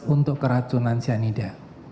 untuk keracunan cyanida